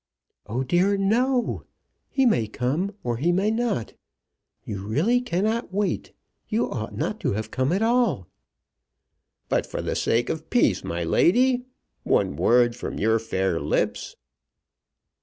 "Oh dear, no! He may come or he may not. You really cannot wait. You ought not to have come at all." "But for the sake of peace, my lady! One word from your fair lips